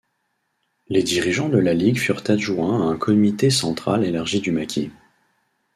Les dirigeants de la Ligue furent adjoints à un Comité central élargi du Maki.